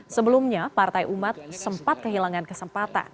sebelumnya partai umat sempat kehilangan kesempatan